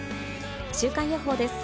週間予報です。